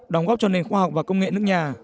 đóng góp cho nền khoa học và công nghệ nước nhà